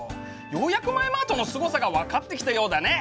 ようやくマエマートのすごさが分かってきたようだね。